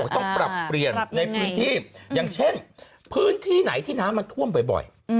ต้องปรับเปลี่ยนในพื้นที่อย่างเช่นพื้นที่ไหนที่น้ำมันท่วมบ่อย